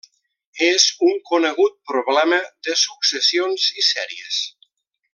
És un conegut problema de successions i sèries.